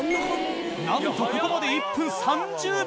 なんとここまで１分３０秒。